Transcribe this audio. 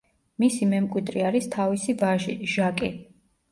მისი მემკვიდრე არის თავისი ვაჟი, ჟაკი.